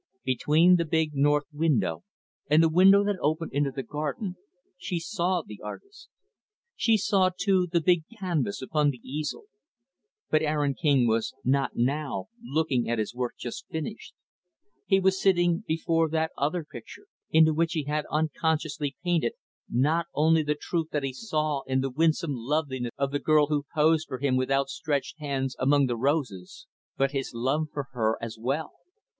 Between the big, north window and the window that opened into the garden, she saw the artist. She saw, too, the big canvas upon the easel. But Aaron King was not, now, looking at his work just finished. He was sitting before that other picture into which he had unconsciously painted, not only the truth that he saw in the winsome loveliness of the girl who posed for him with outstretshed hands among the roses, but his love for her as well.